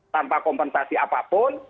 tanpa kompensasi apapun